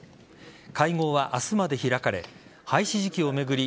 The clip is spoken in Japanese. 会合は明日まで開かれ廃止時期を巡り